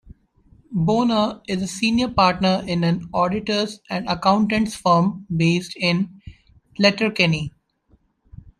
Bonner is a senior partner in an auditors and accountants firm based in Letterkenny.